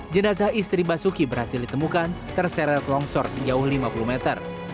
jenazah istri basuki berhasil ditemukan terseret longsor sejauh lima puluh meter